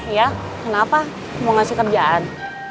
ya kenapa mau ngasih kerjaan